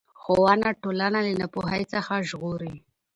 ښوونه ټولنه له ناپوهۍ څخه ژغوري